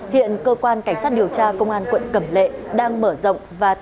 hiện cơ quan cảnh sát điều tra công an quận cẩm lệ đang mở rộng và tin tưởng